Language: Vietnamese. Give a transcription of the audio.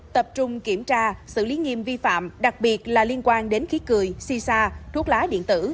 tập trung kiểm tra xử lý nghiêm vi phạm đặc biệt là liên quan đến khí cười si sa thuốc lá điện tử